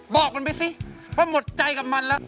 บอกมันไปสิว่าหมดใจกับมันแล้ว